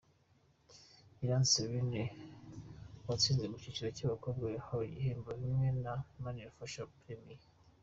Iranzi Celine watsinze mu cyiciro cy'abakobwa yahawe ibihembo bimwe na Manirafasha premien.